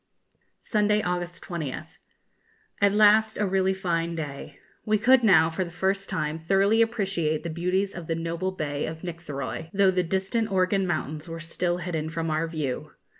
Sunday, August 20th. At last a really fine day. We could now, for the first time, thoroughly appreciate the beauties of the noble bay of Nictheroy, though the distant Organ mountains were still hidden from our view.